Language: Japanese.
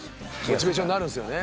モチベーションになるんですよね。